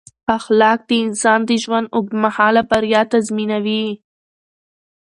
اخلاق د انسان د ژوند اوږد مهاله بریا تضمینوي.